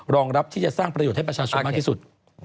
รองรับที่จะสร้างประโยชน์ให้ประชาชนมากที่สุด